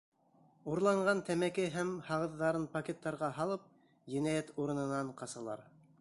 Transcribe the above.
Урланған тәмәке һәм һағыҙҙарын пакеттарға һалып, енәйәт урынынан ҡасалар.